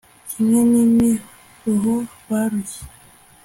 kimwe n'imiruho barushye